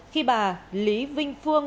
khi bà lý vinh phương